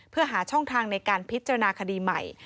เพื่อหาช่องทางในการพิจารณาคดีใหม่